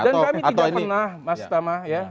dan kami tidak pernah mas tamah